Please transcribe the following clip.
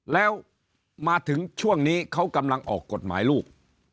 แล้วมาถึงช่วงนี้เขากำลังออกกฎหมายลูก